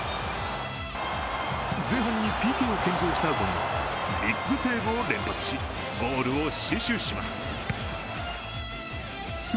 前半にＰＫを献上した権田は、ビッグセーブを連発しゴールを死守します。